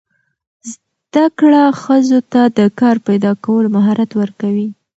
زده کړه ښځو ته د کار پیدا کولو مهارت ورکوي.